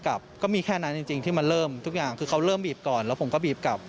ก็ไม่เข้าใจว่าทำไมเขารุนแรงขนาดนี้ค่ะ